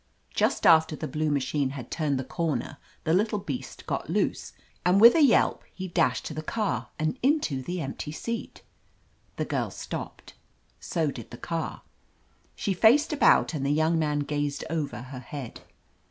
Just after the blue machine had turned the comer the little beast got loose, and with a yelp he dashed to the car and into the empty seat. The girl stopped. So did the car. She faced about and the young man . gazed over her head.